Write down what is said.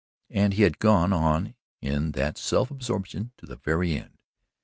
And he had gone on in that self absorption to the very end.